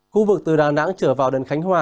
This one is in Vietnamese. khu vực từ đà nẵng trở vào đến khánh hòa